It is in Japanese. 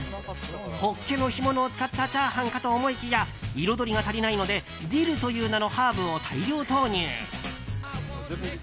ホッケの干物を使ったチャーハンかと思いきや彩りが足りないのでディルという名のハーブを大量投入。